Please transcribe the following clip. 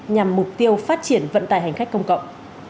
nhằm mục tiêu phát triển vận tải hành khách công cộng